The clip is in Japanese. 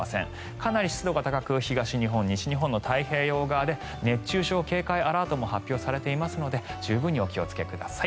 かなり湿度が高く東日本、西日本の太平洋側で熱中症警戒アラートも発表されていますので十分にお気をつけください。